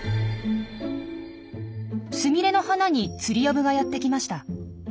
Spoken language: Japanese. スミレの花にツリアブがやって来ました。